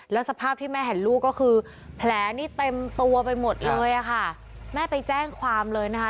แล้วสภาพที่แม่เห็นลูกก็คือแผลนี่เต็มตัวไปหมดเลยอ่ะค่ะแม่ไปแจ้งความเลยนะคะ